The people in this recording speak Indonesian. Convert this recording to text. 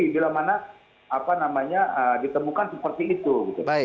bila mana apa namanya ditemukan seperti itu gitu